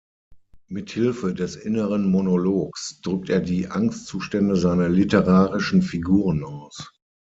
Mit Hilfe des inneren Monologs drückt er die Angstzustände seiner literarischen Figuren aus.